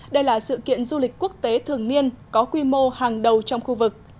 đây là sự kiện du lịch quốc tế thường niên có quy mô hàng đầu trong khu vực